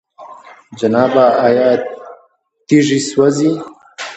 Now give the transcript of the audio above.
جنابه! آيا تيږي سوزي؟